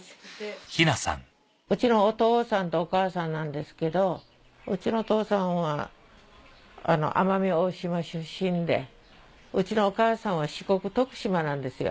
うちのお父さんとお母さんなんですけどうちのお父さんは奄美大島出身でうちのお母さんは四国・徳島なんですよ。